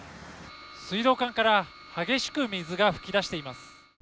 水道管から激しく水が噴き出しています。